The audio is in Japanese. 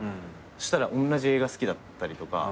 したらおんなじ映画好きだったりとか。